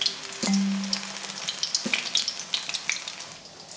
うん。